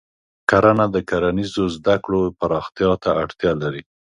کرنه د کرنیزو زده کړو پراختیا ته اړتیا لري.